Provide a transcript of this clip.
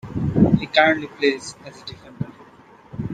He currently plays as a defender.